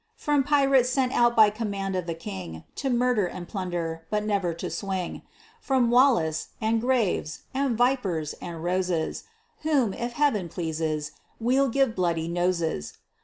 From pirates sent out by command of the king To murder and plunder, but never to swing; From Wallace, and Graves, and Vipers, and Roses, Whom, if Heaven pleases, we'll give bloody noses.